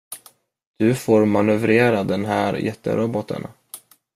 Du får manövrera den här jätteroboten.